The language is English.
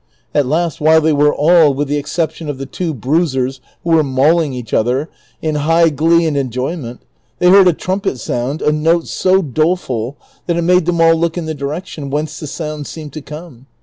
At last, Avhile they Avere all, Avith the exception of the two bruisers Avho Avere mauling each other, in high glee and enjoy ment, they heard a trumpet sound a note so doleful that it made them all look in the direction Avhence the sound seemed to come.